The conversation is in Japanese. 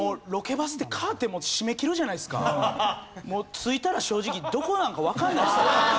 着いたら正直どこなんかわかんないですよ。